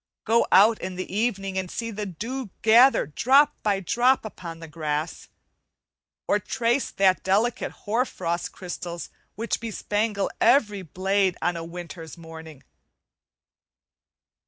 Go out in the evening and see the dew gather drop by drop upon the grass, or trace the delicate hoar frost crystals which bespangle every blade on a winter's morning.